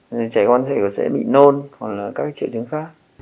nên trẻ con sẽ bị nôn hoặc là các triệu chứng khác